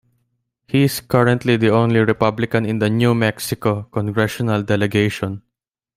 He is currently the only Republican in the New Mexico Congressional Delegation.